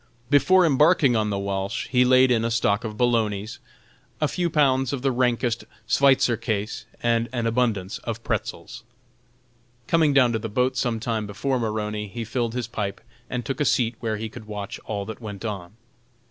Before embarking on the Walsh he laid in a stock of "bolognas," a few pounds of the rankest "Sweitzer kase" and an abundance of "pretzels." Coming down to the boat some time before Maroney, he filled his pipe and took a seat where he could watch all that went on.